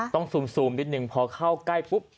ต้องซูมนิดหนึ่งพอเข้าใกล้ปุ๊บ